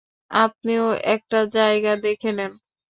আপনিও একটা জায়গা দেখে নেন।